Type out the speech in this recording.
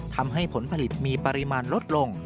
ผลผลิตมีปริมาณลดลง